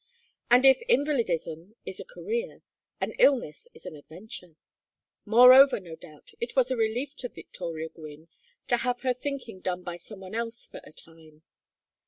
And if invalidism is a career, an illness is an adventure; moreover, no doubt, it was a relief to Victoria Gwynne to have her thinking done by some one else for a time.